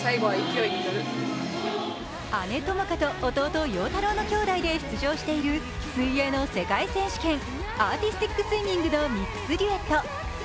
姉・友花と弟・陽太郎のきょうだいで出場している水泳の世界選手権、アーティスティックスイミングのミックスデュエット。